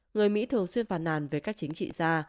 người mỹ thường xuyên phản nàn về các chính trị gia